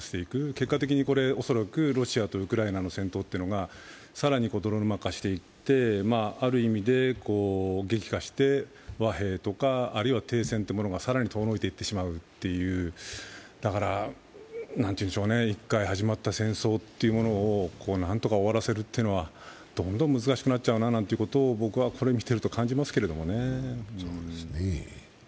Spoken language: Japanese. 結果的に恐らくロシアとウクライナの戦争というのが更に泥沼化していって、ある意味で激化して和平とか、あるいは停戦が更に遠のいていってしまうという、１回始まった戦争を何とか終わらせるというのはどんどん難しくなっちゃうなというのを僕はこれ見てると感じますけどね。